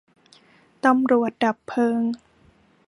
ตำรวจดับเพลิง